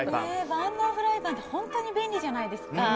万能フライパンって本当に便利じゃないですか。